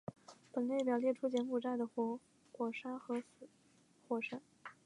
本列表列出柬埔寨的活火山与死火山。